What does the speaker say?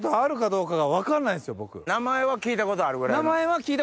名前は聞いたことあるぐらいな？